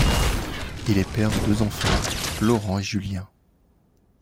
Il est père de deux enfants, Laurent et Julien.